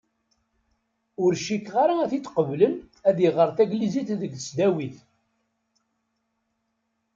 Ur cukkeɣ ara ad t-id-qeblen ad iɣer taglizit deg tesdawit.